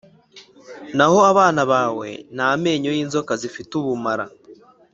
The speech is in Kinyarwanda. Naho abana bawe, n’amenyo y’inzoka zifite ubumara